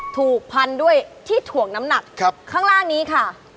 ถูกพันด้วยที่ถ่วงน้ำหนักข้างล่างนี้ค่ะ